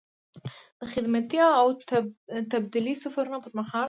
د خدمتي او تبدیلي سفرونو پر مهال.